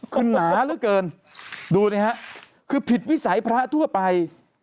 คือหนาเหลือเกินดูดิฮะคือผิดวิสัยพระทั่วไป